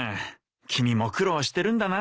君も苦労してるんだな